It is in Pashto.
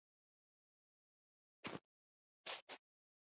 هغه د لمر مخه ونیوله او په لوړ غږ یې وویل